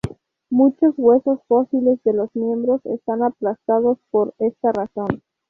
Muchos huesos fósiles de los miembros están aplastados por esta razón.